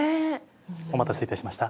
お待たせいたしました。